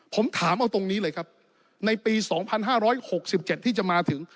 ผมถามเอาตรงนี้เลยครับในปี๒๕๖๗ที่จะมาถึง